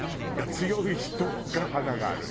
強い人が華があるよ。